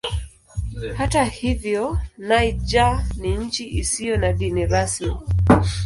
Hata hivyo Niger ni nchi isiyo na dini rasmi.